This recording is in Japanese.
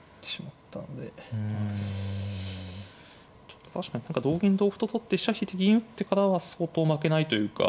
ちょっと確かに同銀同歩と取って飛車引いて銀打ってからは相当負けないというか。